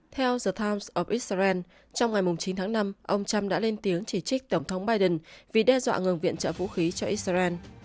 theo giờ times of israel trong ngày chín tháng năm ông trump đã lên tiếng chỉ trích tổng thống biden vì đe dọa ngừng viện trợ vũ khí cho israel